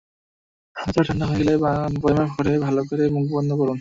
আচার ঠান্ডা হয়ে গেলে বয়ামে ভরে ভালো করে মুখ বন্ধ করে রাখুন।